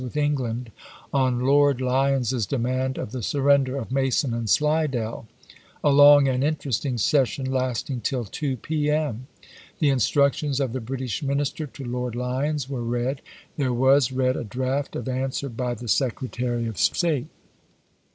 with England on Lord Lyons's demand of the sur render of Mason and Slidell ; a long and interest ing session, lasting till 2 p. m. The instructions of the British minister to Lord Lyons were read. .. There was read a draft of answer by the Secretary of State."